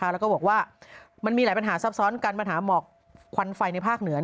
แล้วก็บอกว่ามันมีหลายปัญหาซับซ้อนกันปัญหาหมอกควันไฟในภาคเหนือ